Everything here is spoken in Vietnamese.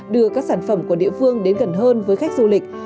đưa các sản phẩm của địa phương đến gần hơn với khách du lịch